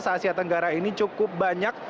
seasiat tenggara ini cukup banyak